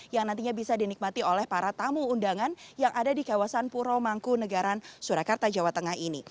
yang nantinya bisa dinikmati oleh para tamu undangan yang ada di kawasan puro mangku negara surakarta jawa tengah ini